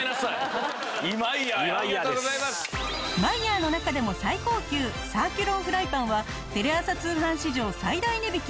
マイヤーの中でも最高級サーキュロンフライパンはテレ朝通販史上最大値引き